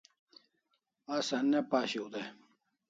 Asa ne pashiu dai